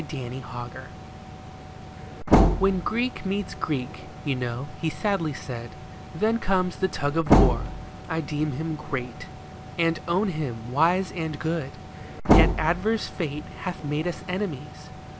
AT REST "* When Greek meets Greek,' you know," he sadly said, "• Then comes the tug of war.' I deem him great. And own him wise and good. Yet adverse fate Hath made us enemies.